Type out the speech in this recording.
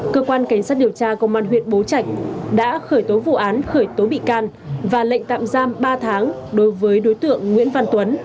cơ quan cảnh sát điều tra công an huyện bố trạch đã khởi tố vụ án khởi tố bị can và lệnh tạm giam ba tháng đối với đối tượng nguyễn văn tuấn